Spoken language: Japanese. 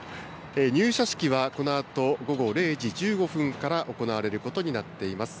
入社式は、このあと午後０時１５分から行われることになっています。